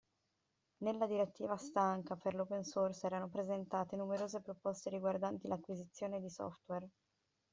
Nella Direttiva Stanca per l'open source erano presentate numerose proposte riguardanti l'acquisizione di software.